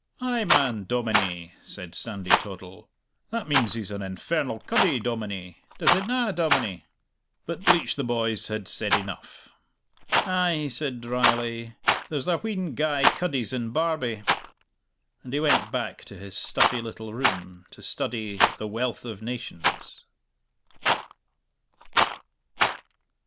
"Ay, man, dominie!" said Sandy Toddle. "That means he's an infernal cuddy, dominie! Does it na, dominie?" But Bleach the boys had said enough. "Ay," he said dryly, "there's a wheen gey cuddies in Barbie!" and he went back to his stuffy little room to study "The Wealth of Nations."